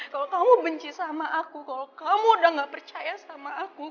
kalau kamu benci sama aku kalau kamu udah gak percaya sama aku